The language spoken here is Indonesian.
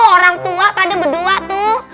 orang tua pada berdua tuh